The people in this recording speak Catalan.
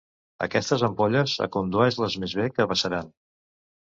Aquestes ampolles, acondueix-les més bé, que vessaran.